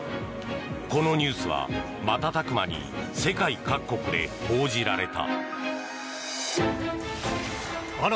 このニュースは、瞬く間に世界各国で報じられた。